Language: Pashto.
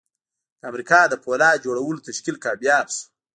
د امریکا د پولاد جوړولو تشکیل کامیاب شو